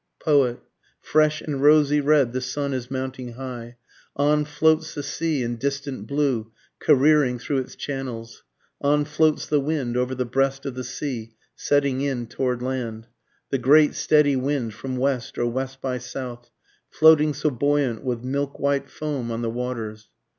Poet. Fresh and rosy red the sun is mounting high, On floats the sea in distant blue careering through its channels, On floats the wind over the breast of the sea setting in toward land, The great steady wind from west or west by south, Floating so buoyant with milk white foam on the waters.